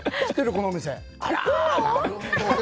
このお店。